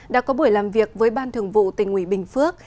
đã có buổi làm việc với ban thường vụ tỉnh ủy bình phước